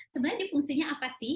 sebenarnya fungsinya apa sih